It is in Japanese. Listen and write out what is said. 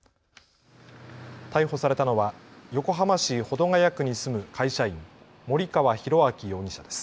逮捕されたのは横浜市保土ケ谷区に住む会社員、森川浩昭容疑者です。